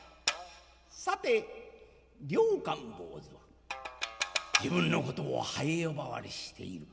さて良寛坊主は自分のことをハエ呼ばわりしている。